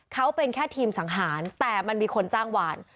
เขาเป็นแค่ทีมสังหารแต่มันมีคนจ้างหวาน